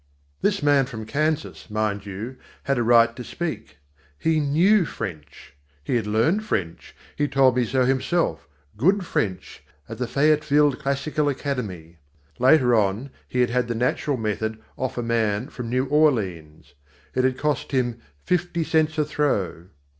This man from Kansas, mind you, had a right to speak. He knew French. He had learned French he told me so himself good French, at the Fayetteville Classical Academy. Later on he had had the natural method "off" a man from New Orleans. It had cost him "fifty cents a throw."